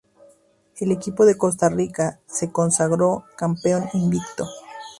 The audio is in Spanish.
El equipo de Costa Rica se consagró campeón invicto.